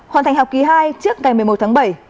hoàn thành học kỳ hai trước ngày một mươi một tháng bảy